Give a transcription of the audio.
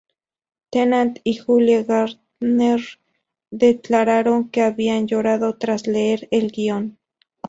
Tennant y Julie Gardner declararon que habían llorado tras leer el guion.